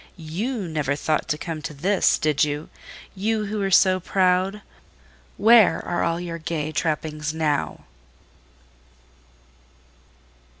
you never thought to come to this, did you, you who were so proud! Where are all your gay trappings now?"